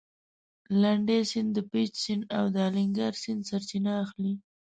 لنډی سیند د پېج سیند او د الینګار سیند سرچینه اخلي.